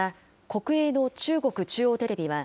国営の中国中央テレビは、